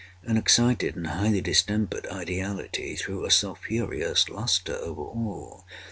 An excited and highly distempered ideality threw a sulphureous lustre over all.